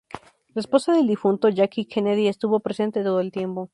La esposa del difunto, Jackie Kennedy, estuvo presente todo el tiempo.